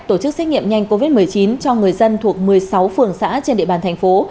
tổ chức xét nghiệm nhanh covid một mươi chín cho người dân thuộc một mươi sáu phường xã trên địa bàn thành phố